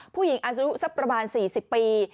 ผู้หญิงอายุสักประมาณ๔๐ปี